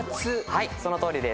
はいそのとおりです。